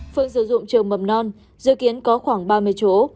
phương sử dụng trường mầm non dự kiến có khoảng ba mươi chỗ